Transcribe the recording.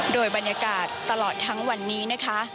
โดยบรรยากาศตลอดทั้งวันนี้นะคะ